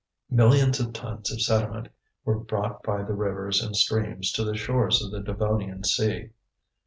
Millions of tons of sediment were brought by the rivers and streams to the shores of the Devonian sea.